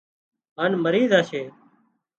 هانَ مرِي زاشي